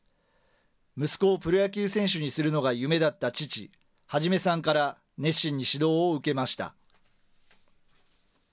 息子をプロ野球選手にするのが夢だった父、肇さんから熱心に指導を受けました。